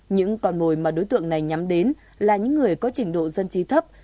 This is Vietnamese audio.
những con mồi mà đối tượng này nhắm đến là những người có trình độ dân trí thấp